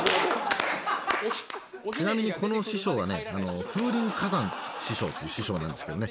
ちなみにこの師匠はね風林火山師匠っていう師匠なんですけどね